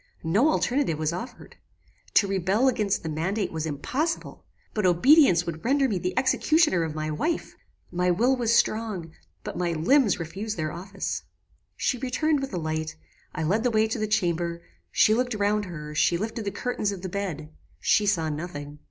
No alternative was offered. To rebel against the mandate was impossible; but obedience would render me the executioner of my wife. My will was strong, but my limbs refused their office. "She returned with a light; I led the way to the chamber; she looked round her; she lifted the curtain of the bed; she saw nothing.